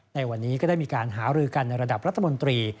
ในวันนี้ก็ได้มีการหารือกันในระดับรัฐมนตรี